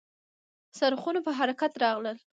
څرخونه په حرکت راغلل .